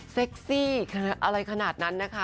ซี่อะไรขนาดนั้นนะคะ